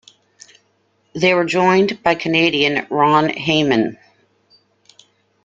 They were joined by Canadian Ron Hayman.